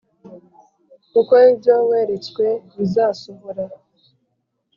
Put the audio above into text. kuko ibyo weretswe bizasohora